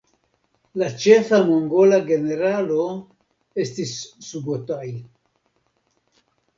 La ĉefa mongola generalo estis Subotai.